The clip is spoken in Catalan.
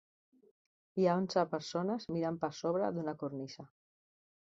Hi ha onze persones mirant per sobre d'una cornisa.